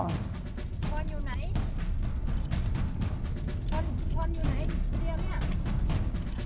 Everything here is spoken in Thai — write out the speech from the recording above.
บ้านไหม้ไม่เปล่า